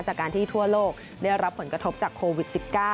จากการที่ทั่วโลกได้รับผลกระทบจากโควิด๑๙